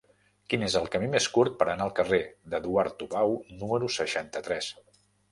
Quin és el camí més curt per anar al carrer d'Eduard Tubau número seixanta-tres?